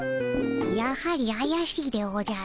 やはりあやしいでおじゃる。